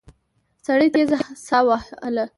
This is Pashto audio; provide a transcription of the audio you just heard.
سړي تېزه ساه وهله.